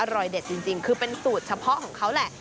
อร่อยเด็ดจริงคือเป็นสูตรเฉพาะของเขาแหละ